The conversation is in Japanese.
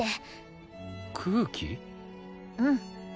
うん。